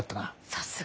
さすが。